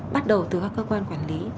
bắt đầu từ các cơ quan quản lý